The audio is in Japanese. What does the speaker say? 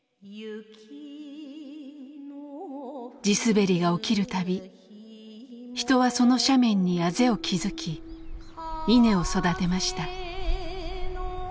地滑りが起きる度人はその斜面にあぜを築き稲を育てました。